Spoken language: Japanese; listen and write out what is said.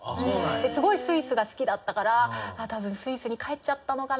すごいスイスが好きだったから多分スイスに帰っちゃったのかな